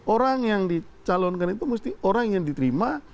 orang yang dicalonkan itu mesti orang yang diterima